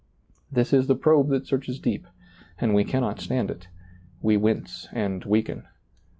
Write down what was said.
This is the probe tliat searches deep, and we cannot stand it ; we wince and weaken.